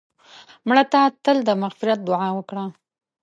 مړه ته تل د مغفرت دعا وکړه